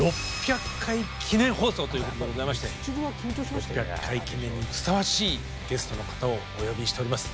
６００回記念放送ということでございまして６００回記念にふさわしいゲストの方をお呼びしております。